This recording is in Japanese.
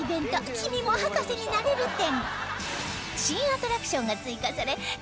「君も博士になれる展」！